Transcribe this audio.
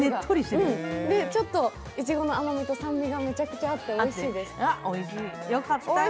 で、ちょっといちごの甘みと酸味があってめちゃくちゃおいしいです。